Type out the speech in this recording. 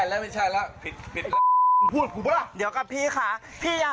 ก็แค่มีเรื่องเดียวให้มันพอแค่นี้เถอะ